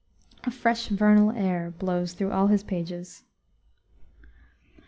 A fresh vernal air blows through all his pages.